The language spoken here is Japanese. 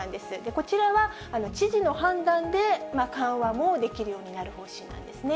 こちらは知事の判断で緩和もできるようになる方針なんですね。